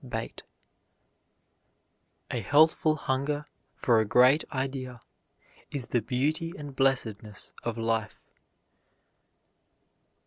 BATE. A healthful hunger for a great idea is the beauty and blessedness of life.